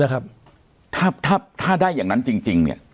นะครับถ้าถ้าถ้าได้อย่างนั้นจริงจริงเนี่ย